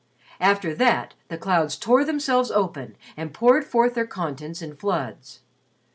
After that the clouds tore themselves open and poured forth their contents in floods.